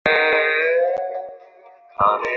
বুঝেছি, তা হলে এখনই যান!